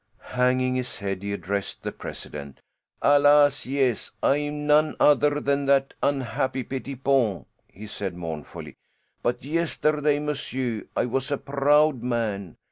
Hanging his head he addressed the president: "Alas, yes, I am none other than that unhappy Pettipon," he said mournfully. "But yesterday, monsieur, I was a proud man.